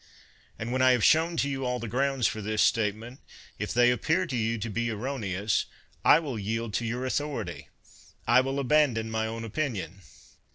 And when I have shown to you all the grounds for this state 74 CICERO ment, if they appear to you to be erroneous, I will yield to your authority, I will abandon my own opinion.